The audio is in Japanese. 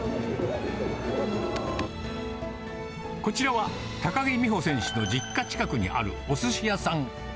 こちらは高木美帆選手の実家近くにあるおすし屋さん。